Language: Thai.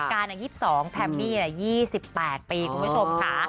การ๒๒แพมมี่๒๘ปีคุณผู้ชมค่ะ